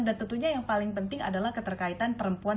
dan tentunya yang paling penting adalah keterkaitan perempuan jalanan